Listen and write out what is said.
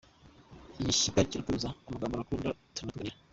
Igishyika kiratuza Amagambo arakunda Tunywa tuganira.